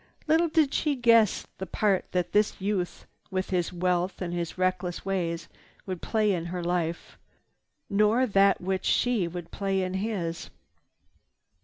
Little did she guess the part that this youth with his wealth and his reckless ways would play in her life, nor that which she would play in his.